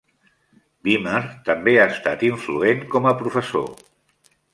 Beamer també ha estat influent com a professor.